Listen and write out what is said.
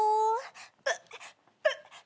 うっうっ。